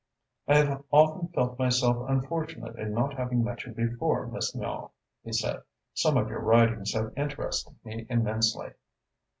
"I have often felt myself unfortunate in not having met you before, Miss Miall," he said. "Some of your writings have interested me immensely."